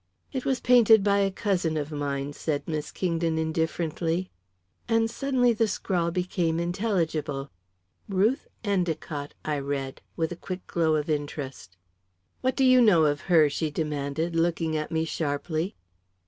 "It was painted by a cousin of mine," said Miss Kingdon indifferently. And suddenly the scrawl became intelligible. "'Ruth Endicott,'" I read, with a quick glow of interest. "What do you know of her?" she demanded, looking at me sharply.